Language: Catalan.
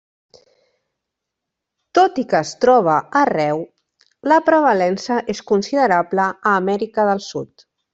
Tot i que es troba arreu, la prevalença és considerable a Amèrica del Sud.